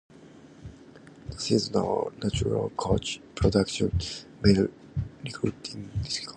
The seasonal nature of coach production made recruiting difficult.